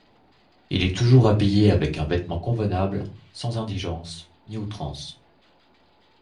Il est toujours habillé avec un vêtement convenable, sans indigence, ni outrance.